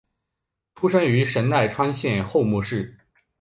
出身于神奈川县厚木市。